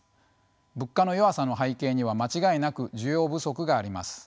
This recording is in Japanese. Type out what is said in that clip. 物価の弱さの背景には間違いなく需要不足があります。